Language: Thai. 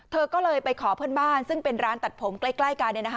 เธอก็เลยไปขอเพื่อนบ้านซึ่งเป็นร้านตัดผมใกล้กัน